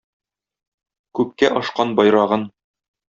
Күккә ашкан байрагын.